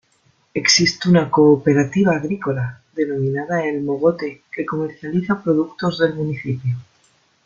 Existe una "Cooperativa agrícola" denominada El Mogote, que comercializa productos del municipio.